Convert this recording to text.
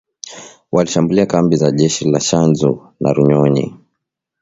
walishambulia kambi za jeshi la Tchanzu na Runyonyi